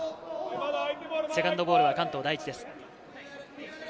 セカンドボールは関東第一です。